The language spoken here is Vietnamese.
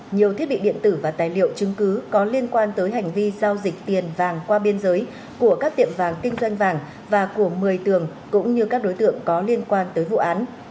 nhiều thiết bị điện tử và tài liệu chứng cứ có liên quan tới hành vi giao dịch tiền vàng qua biên giới của các tiệm vàng kinh doanh vàng và của một mươi tường cũng như các đối tượng có liên quan tới vụ án